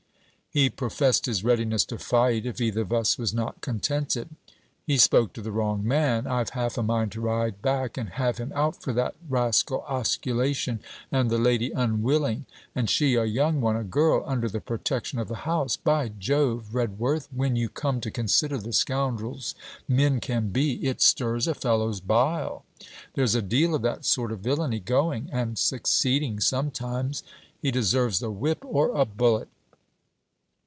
'He professed his readiness to fight, if either of us was not contented.' 'He spoke to the wrong man. I've half a mind to ride back and have him out for that rascal "osculation" and the lady unwilling! and she a young one, a girl, under the protection of the house! By Jove! Redworth, when you come to consider the scoundrels men can be, it stirs a fellow's bile. There's a deal of that sort of villany going and succeeding sometimes! He deserves the whip or a bullet.'